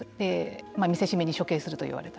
見せしめに処刑すると言われた。